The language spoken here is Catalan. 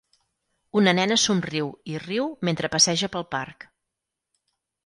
Una nena somriu i riu mentre passeja pel parc.